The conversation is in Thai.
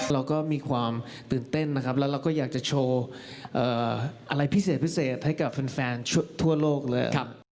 เราก็มีความตื่นเต้นนะครับแล้วเราก็อยากจะโชว์อะไรพิเศษพิเศษให้กับแฟนทั่วโลกเลย